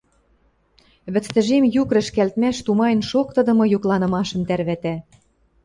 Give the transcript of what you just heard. Вӹц тӹжем юк рӹшкӓлтмӓш тумаен шоктыдымы юкланымашым тӓрвӓтӓ.